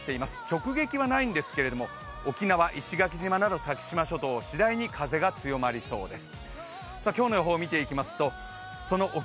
直撃は亡いんですけれども、沖縄石垣島など先島諸島、次第に風が強まりそうです。